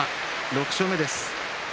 ６勝目です。